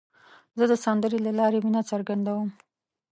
زه د سندرې له لارې مینه څرګندوم.